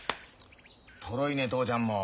トロいね父ちゃんも。